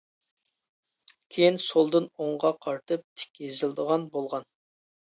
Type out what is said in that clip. كېيىن سولدىن ئوڭغا قارىتىپ تىك يېزىلىدىغان بولغان.